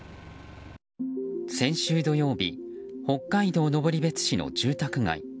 先週土曜日北海道登別市の住宅街。